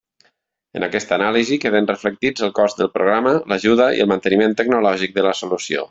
En aquesta anàlisi queden reflectits el cost del programa, l'ajuda i el manteniment tecnològic de la solució.